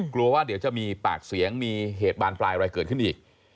กลัวว่าเดี๋ยวจะมีปากเสียงมีเหตุบานปลายอะไรเกิดขึ้นอีก